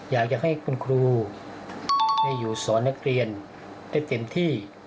อยากให้คุณครูได้อยู่สอนนักเรียนได้เต็มที่